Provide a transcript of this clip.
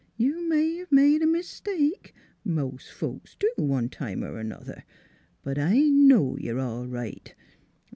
You may 'ave made a mistake mos' folks do, one time er another. But I know you're all right.